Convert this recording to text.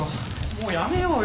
もうやめようよ。